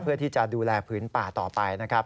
เพื่อที่จะดูแลผืนป่าต่อไปนะครับ